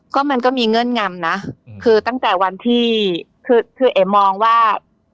ก็มันก็มีเงื่อนงำนะคือตั้งแต่วันที่คือคือเอ๋มองว่า